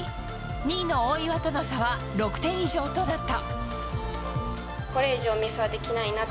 ２位の大岩との差は６点以上となった。